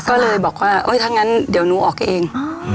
ก็เลยบอกว่าโอ๊ยถ้างั้นเดี๋ยวหนูออกเอง